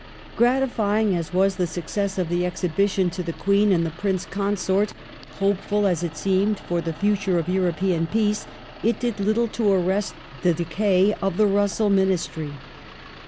The Min Gratifying as was the success of the Exhibition to the Queen strengtlT^ and the Prince Consoit ; hopeful, as it seemed, for the future of European peace, it did little to arrest the decay of the Russell Ministry.